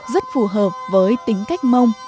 rất phù hợp với tính cách mông